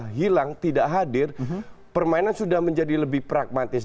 pada saat pogba hilang tidak hadir permainan sudah menjadi lebih pragmatis